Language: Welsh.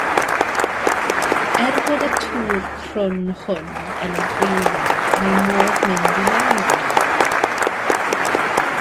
Er bod y tŵr crwn hwn yn adfeilion mae modd mynd i mewn iddo.